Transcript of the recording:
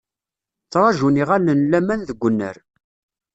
Ttraǧun yiɣallen n laman deg unnar.